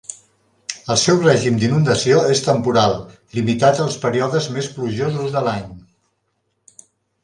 El seu règim d'inundació és temporal, limitat als períodes més plujosos de l'any.